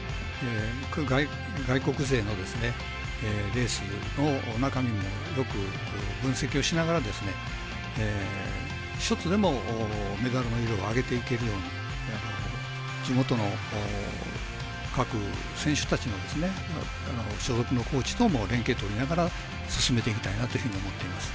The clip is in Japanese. レースの中身もよく分析をしながらですね一つでもメダルの色を上げていけるように地元の各選手たちもですね所属のコーチとも連携とりながら進めていきたいなというふうに思っています。